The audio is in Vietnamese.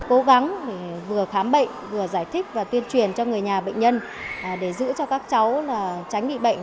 cố gắng vừa khám bệnh vừa giải thích và tuyên truyền cho người nhà bệnh nhân để giữ cho các cháu tránh bị bệnh